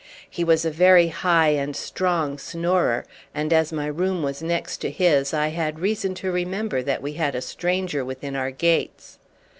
He was a very high and strong snorer, and, as my room was next to his, I had reason to remember that we had a stranger within our gates.